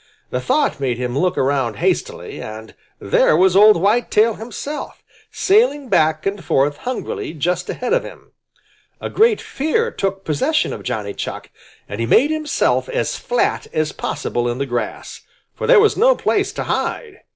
The thought made him look around hastily, and there was old Whitetail himself, sailing back and forth hungrily just ahead of him. A great fear took possession of Johnny Chuck, and he made himself as flat as possible in the grass, for there was no place to hide.